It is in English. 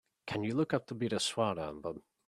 Can you look up the Bireswar album?